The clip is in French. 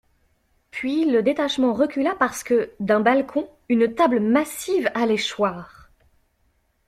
Puis le détachement recula parce que, d'un balcon, une table massive allait choir.